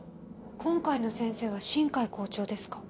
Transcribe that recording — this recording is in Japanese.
今回の先生は新偕校長ですか？